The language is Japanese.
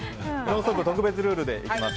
特別ルールでいきます。